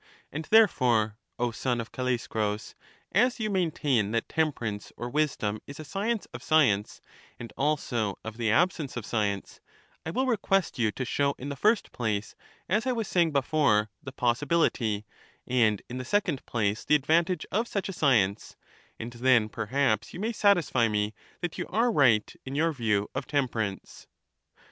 And therefore, O son of Callaeschrus, as you maintain that temperance or wisdom is a sci ence of science, and also of the absence of science, I will request you to show in the first place, as I was saying before, the possibility, and in the second place, the advantage, of such a science; and then perhaps you may satisfy me that you are right in your view of temperance.